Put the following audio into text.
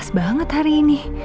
setelah aku bicara sama ibu panti